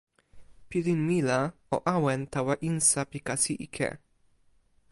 pilin mi la o awen tawa insa pi kasi ike.